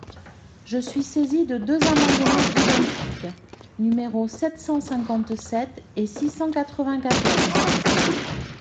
Je suis saisi de deux amendements identiques, numéros sept cent cinquante-sept et six cent quatre-vingt-quatorze.